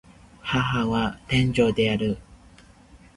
母は天才である